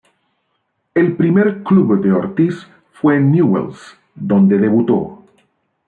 El primer club de Ortiz fue Newell's, donde debutó.